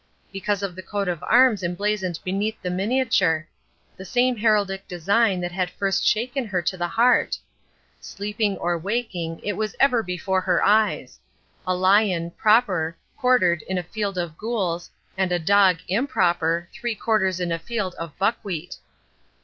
Because of the Coat of Arms emblazoned beneath the miniature. The same heraldic design that had first shaken her to the heart. Sleeping or waking it was ever before her eyes: A lion, proper, quartered in a field of gules, and a dog, improper, three quarters in a field of buckwheat.